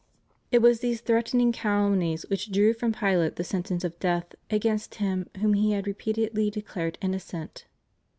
It was these threatening calumnies which drew from Pilate the sentence of death against Him whom he had repeatedly declared innocent.